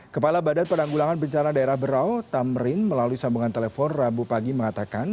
kepala badan penanggulangan bencana daerah berau tamrin melalui sambungan telepon rabu pagi mengatakan